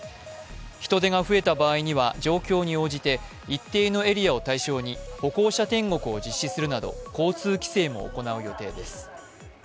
人出が増えた場合には状況に応じて一定のエリアを対象に歩行者天国を実施するなど、交通規制も行う予定です。